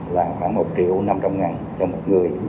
là khoảng một triệu năm trăm linh ngàn cho một người